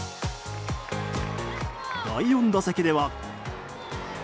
第４打席では。